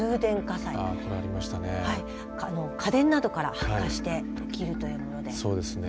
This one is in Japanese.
家電などから発火して起きるというものです。